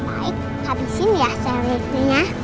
om baik habisin ya seri ini ya